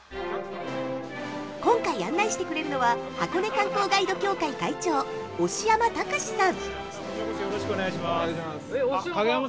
今回、案内してくれるのは箱根観光ガイド協会会長押山隆さん。